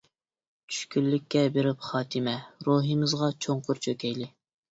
چۈشكۈنلۈككە بېرىپ خاتىمە، روھىمىزغا چوڭقۇر چۆكەيلى!